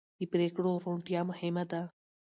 د پرېکړو روڼتیا مهمه ده